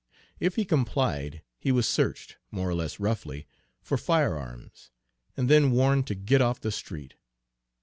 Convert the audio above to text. If he complied, he was searched, more or less roughly, for firearms, and then warned to get off the street.